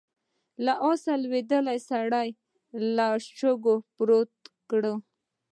له آسه لوېدلی سړی يې له شګو پورته کړ.